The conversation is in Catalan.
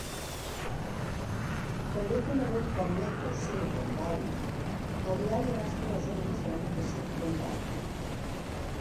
També conegut com Metro Silicon Valley, el diari abasta la zona més gran de Silicon Valley.